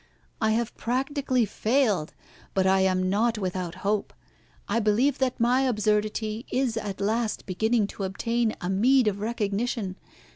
I have practically failed, but I am not without hope. I believe that my absurdity is at last beginning to obtain a meed of recognition.